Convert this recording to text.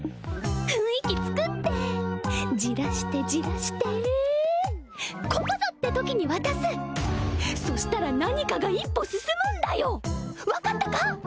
雰囲気作ってじらしてじらしてここぞってときに渡すそしたら何かが一歩進むんだよ分かったか！